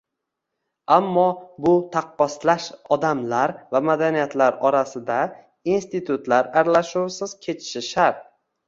Ammo bu taqqoslash odamlar va madaniyatlar orasida institutlar aralashuvisiz kechishi shart